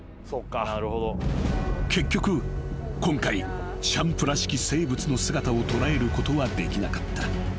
［結局今回チャンプらしき生物の姿を捉えることはできなかった］